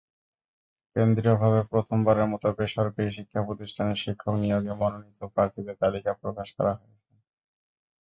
কেন্দ্রীয়ভাবে প্রথমবারের মতো বেসরকারি শিক্ষাপ্রতিষ্ঠানের শিক্ষক নিয়োগে মনোনীত প্রার্থীদের তালিকা প্রকাশ করা হয়েছে।